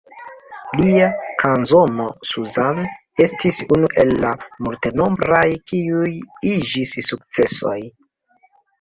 Lia kanzono "Suzanne" estis unu el la multenombraj, kiuj iĝis sukcesoj.